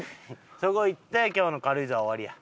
そこ行って今日の軽井沢終わりや。